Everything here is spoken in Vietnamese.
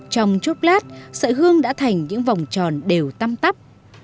trong chốp lát sợi hương đã thành những vòng tròn đều tăm tắp